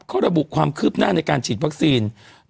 เขาระบุความคืบหน้าในการฉีดวัคซีน